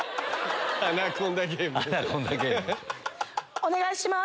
お願いします。